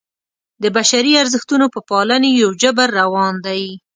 د بشري ارزښتونو په پالنې یو جبر روان دی.